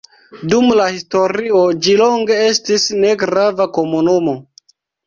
Dum la historio ĝi longe estis negrava komunumo.